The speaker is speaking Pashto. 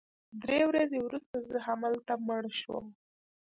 درې ورځې وروسته زه همالته مړ شوم